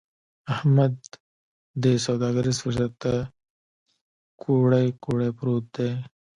احمد دې سوداګريز فرصت ته کوړۍ کوړۍ پروت دی.